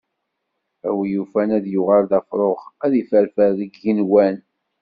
A wi yufan ad yuɣal d afrux, ad yefferfer deg yigenwan.